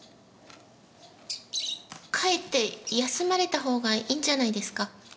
帰って休まれたほうがいいんじゃないですか？